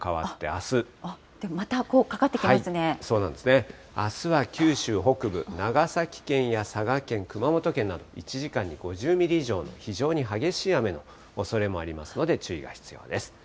あすは九州北部、長崎県や佐賀県、熊本県など１時間に５０ミリ以上の非常に激しい雨のおそれもありますので、注意が必要です。